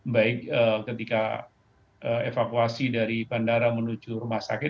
baik ketika evakuasi dari bandara menuju rumah sakit